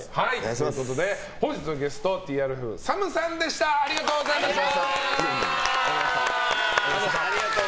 ということで本日のゲストＴＲＦ、ＳＡＭさんでしたありがとうございました！